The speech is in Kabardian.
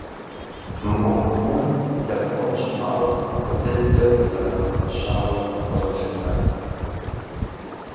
Мы ӏуэхугъуэр, дэбгъуэн щымыӏэу, фӏы дыдэу къызэрагъэпэщауэ къызолъытэ.